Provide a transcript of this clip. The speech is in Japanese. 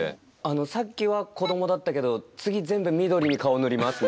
さっきは子どもだったけど次全部緑に顔を塗りますみたいな。